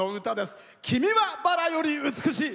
「君は薔薇より美しい」。